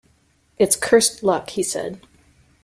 "It's cursed luck," he said.